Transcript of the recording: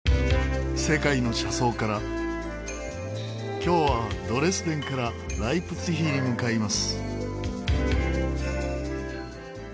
今日はドレスデンからライプツィヒに向かいます。